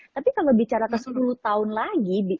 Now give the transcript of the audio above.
tapi kalau bicara ke sepuluh tahun lagi